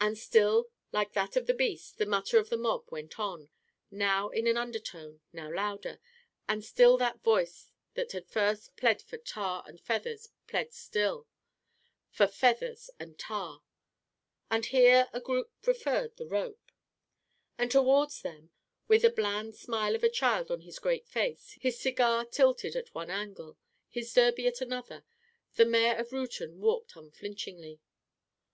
And still, like that of beasts, the mutter of the mob went on, now in an undertone, now louder, and still that voice that first had plead for tar and feathers plead still for feathers and tar. And here a group preferred the rope. And toward them, with the bland smile of a child on his great face, his cigar tilted at one angle, his derby at another, the mayor of Reuton walked unflinchingly.